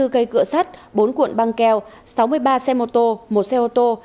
hai mươi cây cựa sắt bốn cuộn băng keo sáu mươi ba xe mô tô một xe ô tô